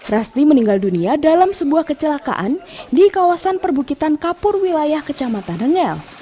rasti meninggal dunia dalam sebuah kecelakaan di kawasan perbukitan kapur wilayah kecamatan rengel